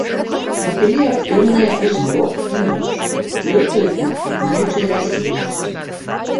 Матылі актыўныя ў змрок і ноччу, лётаюць над квітнеючай расліннасцю.